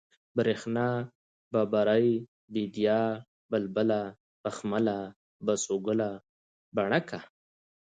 برېښنا ، ببرۍ ، بېديا ، بلبله ، بخمله ، بسوگله ، بڼکه